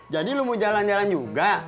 jadi lu mau jalan jalan juga